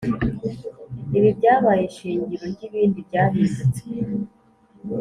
Ibi byabaye ishingiro ry' ibindi byahindutse